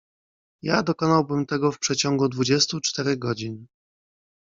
"Ja dokonałbym tego w przeciągu dwudziestu czterech godzin."